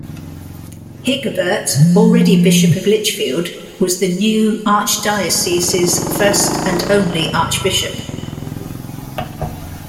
Hygeberht, already Bishop of Lichfield, was the new archdiocese's first and only archbishop.